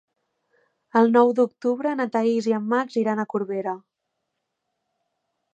El nou d'octubre na Thaís i en Max iran a Corbera.